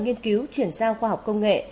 nghiên cứu chuyển giao khoa học công nghệ